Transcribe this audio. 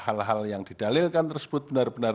hal hal yang didalilkan tersebut benar benar